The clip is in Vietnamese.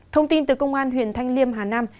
thông tin từ công an huyện thanh liêm hà nam